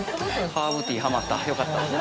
ハーブティー、はまった、よかった。